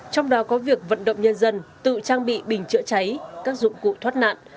trong đó có việc vận động nhân dân tự trang bị bình chữa cháy các dụng cụ thoát nạn